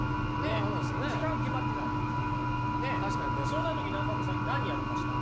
そんな時中岡さん何やりました？